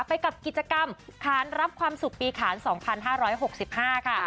ไปกับกิจกรรมค้านรับความสุขปีขาลสองพันห้าร้อยหกสิบห้าค่ะ